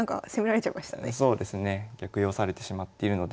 逆用されてしまっているので。